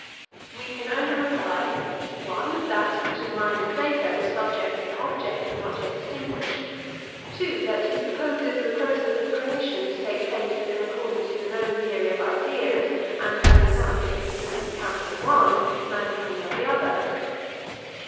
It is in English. We can only reply, (1) that to the mind of Plato subject and object were not yet distinguished; (2) that he supposes the process of creation to take place in accordance with his own theory of ideas; and as we cannot give a consistent account of the one, neither can we of the other.